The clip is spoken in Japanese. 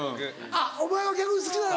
あっお前は逆に好きなの？